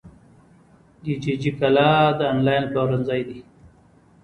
دیجیجی کالا د انلاین پلورنځی دی.